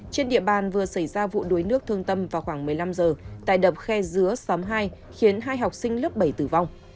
trên địa bàn vừa xảy ra vụ đuối nước thương tâm vào khoảng một mươi năm giờ tại đập khe dứa xóm hai khiến hai học sinh lớp bảy tử vong